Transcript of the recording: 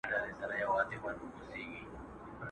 دا نعمت خو د ګیدړ دی چي یې وخوري!.